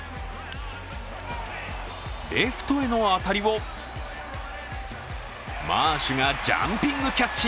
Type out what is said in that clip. レフトへの当たりをマーシュがジャンピングキャッチ。